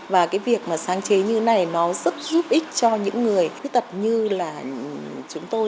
và cái việc mà sáng chế như thế này nó rất giúp ích cho những người khuyết tật như là chúng tôi